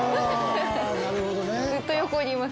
なるほどね。